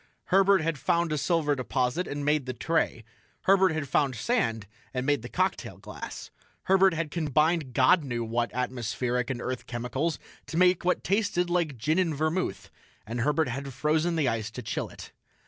Herbert had found a silver deposit and made the tray. Herbert had found sand and made the cocktail glass. Herbert had combined God knew what atmospheric and earth chemicals to make what tasted like gin and vermouth, and Herbert had frozen the ice to chill it.